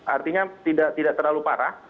artinya tidak terlalu parah